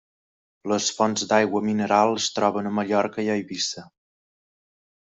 Les fonts d'aigua mineral es troben a Mallorca i Eivissa.